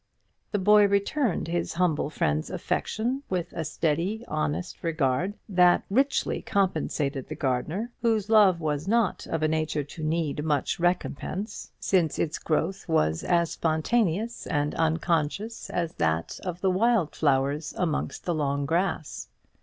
The boy returned his humble friend's affection with a steady, honest regard, that richly compensated the gardener, whose love was not of a nature to need much recompense, since its growth was as spontaneous and unconscious as that of the wild flowers amongst the long grass.